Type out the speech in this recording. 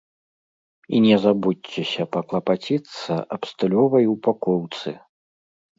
І не забудзьцеся паклапаціцца аб стылёвай упакоўцы.